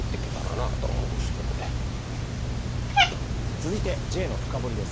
続いてＪのフカボリです。